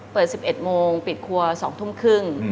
เปิด๑๑โมงปิดครัว๒ทุ่มครึ่ง